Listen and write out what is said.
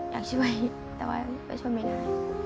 อยากช่วยแต่ว่าไปช่วยไม่ได้